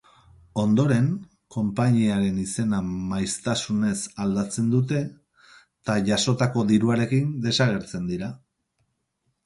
Ondoren konpainiaren izena maiztasunez aldatzen dute ta jasotako diruarekin desagertzen dira.